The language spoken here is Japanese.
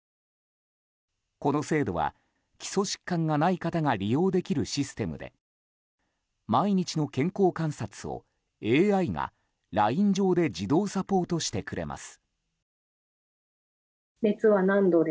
この制度は基礎疾患がない方が利用できるシステムで毎日の健康観察をＡＩがＬＩＮＥ上で自動サポートしてくれます。